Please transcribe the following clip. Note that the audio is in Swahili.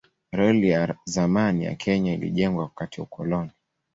Reli ya zamani ya Kenya ilijengwa wakati wa ukoloni.